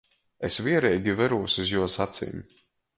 Es viereigi verūs iz juos acim.